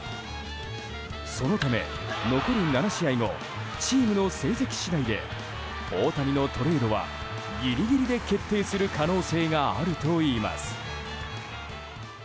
そのため、残る７試合後チームの成績次第で大谷のトレードはギリギリで決定する可能性があるといいます。